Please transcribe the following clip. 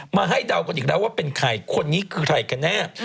มาให้เดากันอีกแล้วว่าเป็นใครคนนี้คือใครกันแน่